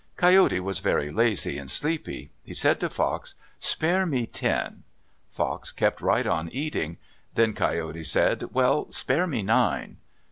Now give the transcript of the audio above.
Coyote was very lazy and sleepy. He said to Fox, "Spare me ten." Fox kept right on eating. Then Coyote said, "Well, spare me nine."